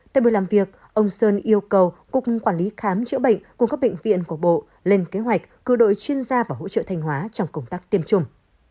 tại buổi làm việc ông sơn yêu cầu cục quản lý khám chữa bệnh cùng các bệnh viện của bộ lên kế hoạch cư đội chuyên gia và hỗ trợ thanh hóa trong công tác tiêm chủng